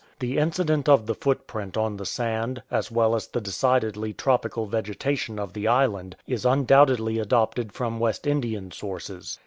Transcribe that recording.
The incident of the footprint on the sand, as well as the decidedly tropical vegetation of the island, is undoubtedly adopted from West Indian sources.